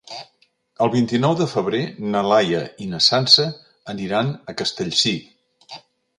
El vint-i-nou de febrer na Laia i na Sança aniran a Castellcir.